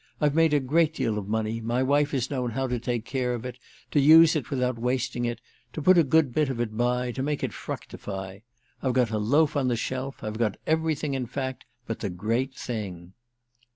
I've made a great deal of money; my wife has known how to take care of it, to use it without wasting it, to put a good bit of it by, to make it fructify. I've got a loaf on the shelf; I've got everything in fact but the great thing."